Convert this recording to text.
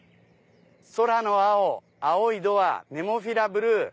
空の青青いドアネモフィラブルー。